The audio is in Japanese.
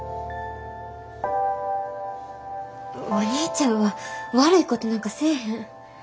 お兄ちゃんは悪いことなんかせえへん。